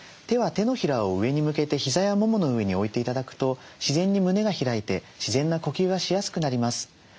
手は手のひらを上に向けて膝やももの上に置いて頂くと自然に胸が開いて自然な呼吸がしやすくなります。